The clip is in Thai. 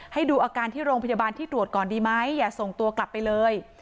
ให้ดูอาการที่โรงพยาบาลที่ตรวจก่อนดีไหมอย่าส่งตัวกลับไปเลย